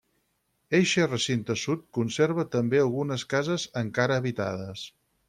Eixe recinte sud conserva també algunes cases encara habitades.